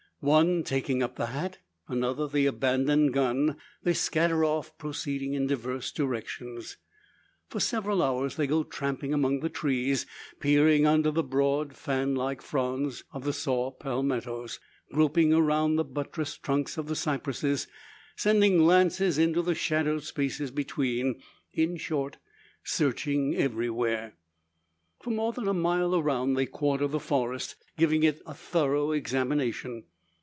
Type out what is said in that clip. One taking up the hat, another the abandoned gun, they scatter off, proceeding in diverse directions. For several hours they go tramping among the trees, peering under the broad fan like fronds of the saw palmettoes, groping around the buttressed trunks of the cypresses, sending glances into the shadowed spaces between in short, searching everywhere. For more than a mile around they quarter the forest, giving it thorough examination.